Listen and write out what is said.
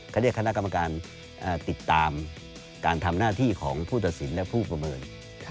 เขาเรียกคณะกรรมการติดตามการทำหน้าที่ของผู้ตัดสินและผู้ประเมิน